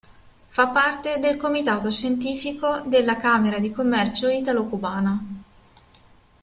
Fa parte del comitato scientifico della "Camera di Commercio Italo-Cubana"